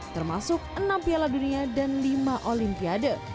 termasuk enam piala dunia dan lima olimpiade